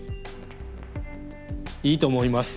いいと思います。